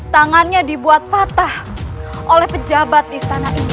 tangannya dibuat patah oleh pejabat istana ini